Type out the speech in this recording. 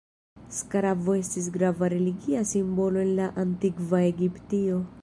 Skarabo estis grava religia simbolo en la Antikva Egiptio.